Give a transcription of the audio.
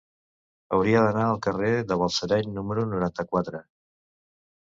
Hauria d'anar al carrer de Balsareny número noranta-quatre.